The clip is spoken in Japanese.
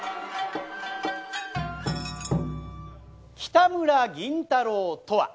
北村銀太郎とは。